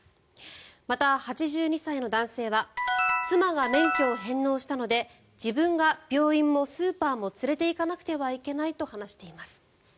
また、８２歳の男性は妻が免許を返納したので自分が病院もスーパーも連れて行かなくてはいけないと話しています。